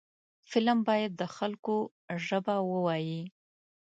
فلم باید د خلکو ژبه ووايي